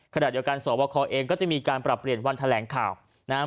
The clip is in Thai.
ขณะเดียวกันสวบคเองก็จะมีการปรับเปลี่ยนวันแถลงข่าวนะครับ